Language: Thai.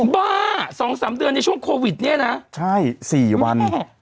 บ้า๒๓เดือนในช่วงโควิดเนี่ยนะใช่๔วัน